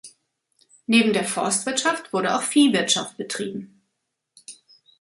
Neben der Forstwirtschaft wurde auch Viehwirtschaft betrieben.